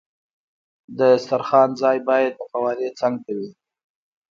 د دسترخوان ځای باید د فوارې څنګ ته وي.